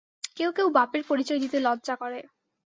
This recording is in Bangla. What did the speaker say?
কেউ কেউ বাপের পরিচয় দিতে লজ্জা করে।